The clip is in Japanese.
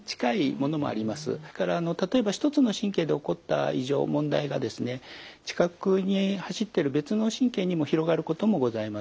それから例えば一つの神経で起こった異常問題がですね近くに走ってる別の神経にも広がることもございます。